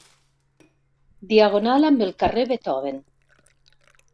Diagonal amb el carrer Beethoven.